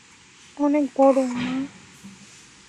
অনেক বড়, মা।